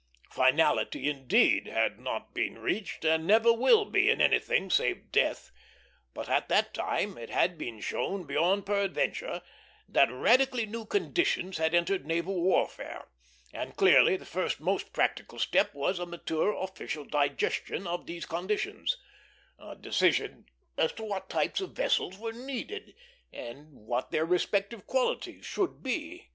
Finality, indeed, had not been reached, and never will be in anything save death; but at that time it had been shown beyond peradventure that radically new conditions had entered naval warfare, and clearly the first most practical step was a mature official digestion of these conditions a decision as to what types of vessels were needed, and what their respective qualities should be.